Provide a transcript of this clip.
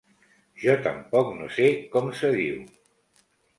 Jo tampoc no sé com se diu.